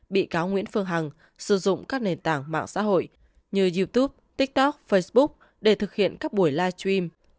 bị cáo nguyễn phương hằng sử dụng các nền tảng mạng xã hội như youtube tiktok facebook để thực hiện các buổi live stream